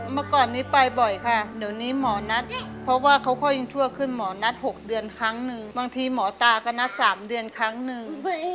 เมื่อก่อนนี้ไปบ่อยค่ะเดี๋ยวนี้หมอนัดเพราะว่าเขาก็ยังชั่วขึ้นหมอนัด๖เดือนครั้งหนึ่งบางทีหมอตาก็นัด๓เดือนครั้งหนึ่ง